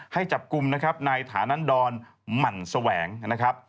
ให้จับกลุ่มนะครับนายฐานันดรหมั่นแสวงนะครับ